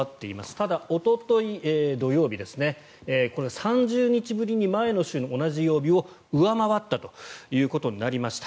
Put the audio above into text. ただ、おととい土曜日これは３０日ぶりに前の週の同じ曜日を上回ったということになりました。